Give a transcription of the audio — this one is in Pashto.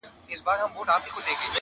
حیوانان یې وه بارونو ته بللي٫